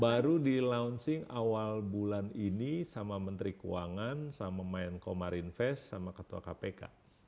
baru di launching awal bulan ini sama menteri keuangan sama main komar invest sama ketua kpk